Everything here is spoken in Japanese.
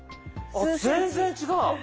あ全然違う。